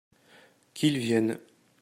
Qu’il vienne !